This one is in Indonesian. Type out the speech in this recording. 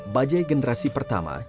bajai generasi pertama